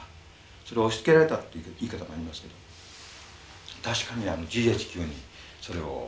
それを押しつけられたって言い方もありますけど確かにＧＨＱにそれを押しつけられたでしょ。